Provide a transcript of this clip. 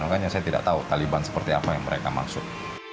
makanya saya tidak tahu taliban seperti apa yang mereka maksud